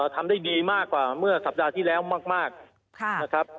ทำได้ดีมากกว่าเมื่อสัปดาห์ที่แล้วมากนะครับ